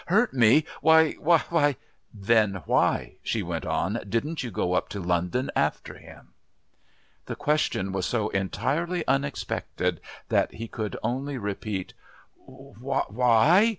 "Hurt me? Why why " "Then why," she went on, "didn't you go up to London after him?" The question was so entirely unexpected that he could only repeat: "Why?..."